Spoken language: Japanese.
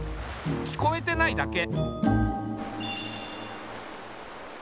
聞こえてないだけ。